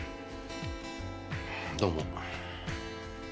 どうも。